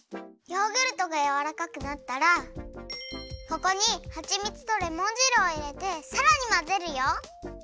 ヨーグルトがやわらかくなったらここにはちみつとレモン汁をいれてさらにまぜるよ。